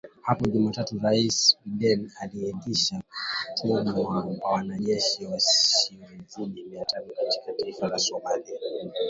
Hapo Jumatatu Rais Biden aliidhinisha kutumwa kwa wanajeshi wasiozidi mia tano katika taifa la Somalia.